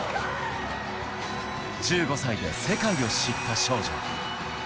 １５歳で世界を知った少女。